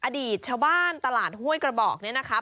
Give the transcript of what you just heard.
อดีตชาวบ้านตลาดห้วยกระบอกเนี่ยนะคะ